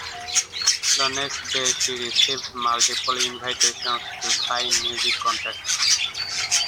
The next day she received multiple invitations to sign music contracts.